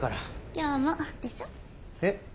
「今日も」でしょ？えっ？